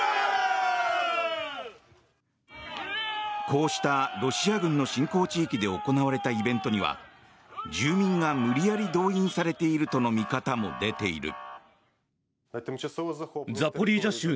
こうしたロシア軍の侵攻地域で行われたイベントには住民が無理やり動員されているとの見方も出ている。